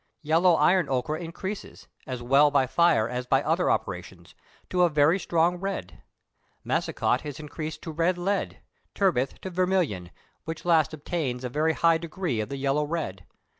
Yellow iron ochre increases, as well by fire as by other operations, to a very strong red: massicot is increased to red lead, turbith to vermilion, which last attains a very high degree of the yellow red.